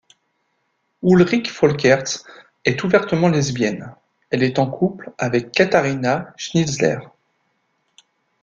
Ulrike Folkerts est ouvertement lesbienne, elle est en couple avec Katharina Schnitzler.